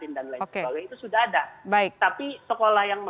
mungkin sejarah itu agak untuk membayangkan ke